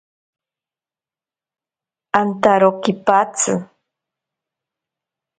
Antaro kipatsi.